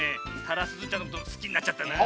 タラスズちゃんのことすきになっちゃったな。